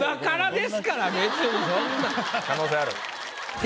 可能性ある。